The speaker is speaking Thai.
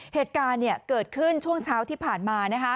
เหตุการณ์เกิดขึ้นช่วงเช้าที่ผ่านมา